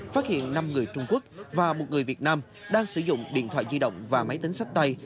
phát hiện năm người trung quốc và một người việt nam đang sử dụng điện thoại di động và máy tính sách tay